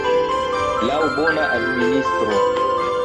Laŭ bona administro.